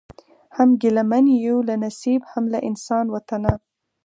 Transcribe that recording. هم ګیله من یو له نصیب هم له انسان وطنه